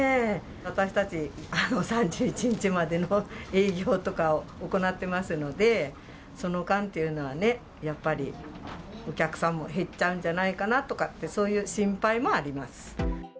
私たち、３１日までの営業とかを行ってますので、その間というのはね、やっぱりお客さんも減っちゃうんじゃないかなとかって、そういう心配もあります。